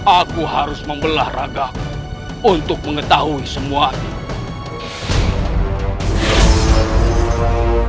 aku harus membelah raga untuk mengetahui semuanya